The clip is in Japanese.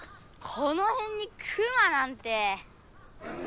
このへんにクマなんて。